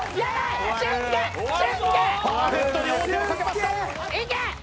パーフェクトに王手をかけました。